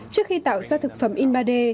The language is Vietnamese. trước khi tạo ra thực phẩm in ba d